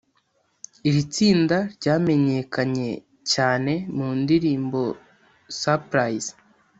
Iri tsinda ryamenyekanye cyane mu ndirimbo ‘Surprise’